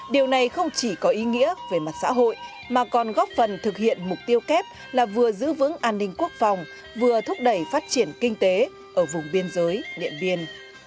điều này không chỉ có ý nghĩa về mặt xã hội mà còn góp phần thực hiện mục tiêu kép là vừa giữ vững an ninh quốc phòng vừa thúc đẩy phát triển kinh tế ở vùng biên giới liện biên